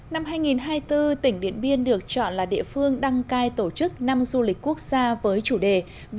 năm hai nghìn hai mươi bốn tỉnh điện biên được chọn là địa phương đăng cai tổ chức năm du lịch quốc gia với chủ đề